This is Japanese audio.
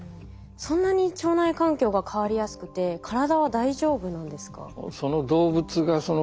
そんなに腸内環境が変わりやすくて体は大丈夫なんですか？